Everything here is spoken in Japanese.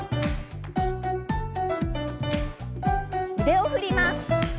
腕を振ります。